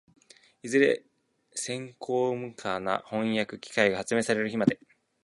いずれ精巧無比な飜訳機械が発明される日まで、